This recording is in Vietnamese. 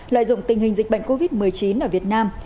lợi dụng tình hình dịch bệnh covid một mươi chín ở việt nam